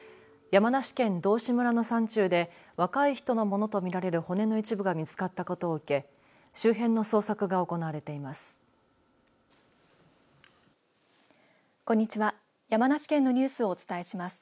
山梨県道志村の山中で若い人のものとみられる骨の一部が見つかったことを受け周辺の捜索が行われています。